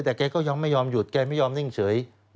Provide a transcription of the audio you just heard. แต่แกก็ยังไม่ยอมหยุดแกไม่ยอมนิ่งเฉย